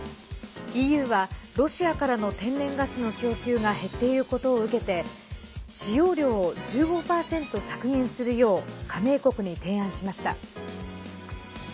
ＥＵはロシアからの天然ガスの供給が減っていることを受けて使用量を１５％削減するよう加盟国に提案しました。